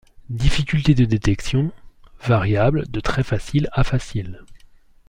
Difficulté de détection – variable, de très facile à facile.